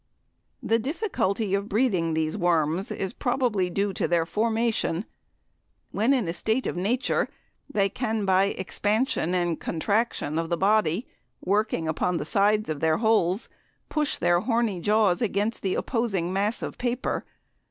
The difficulty of breeding these worms is probably due to their formation. When in a state of nature they can by expansion and contraction of the body working upon the sides of their holes, push their horny jaws against the opposing mass of paper.